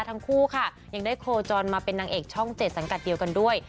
ทั้งคู่ค่ะยังได้โคจรมาเป็นนางเอกช่อง๗สังกัดเดียวกันด้วย